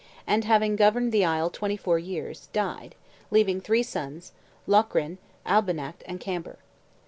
] and, having governed the isle twenty four years, died, leaving three sons, Locrine, Albanact and Camber.